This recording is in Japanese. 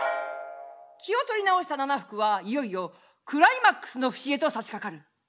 気を取り直した奈々福はいよいよクライマックスの節へとさしかかる。